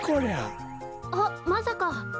あっまさか！？